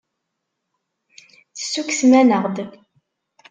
Tessukksem-aneɣ-d.